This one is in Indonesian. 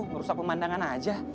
ngerusak pemandangan aja